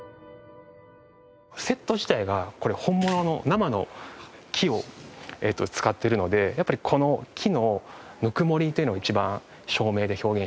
セット自体がこれ本物の生の木を使ってるのでやっぱりこの木のぬくもりというのを一番照明で表現したいな。